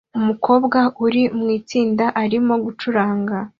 Umukobwa uri mu itsinda arimo gucuranga